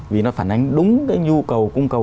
vì nó phản ánh đúng cái nhu cầu cung cầu